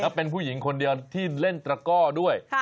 เป็นผู้หญิงคนเดียวที่เล่นตระก้อด้วย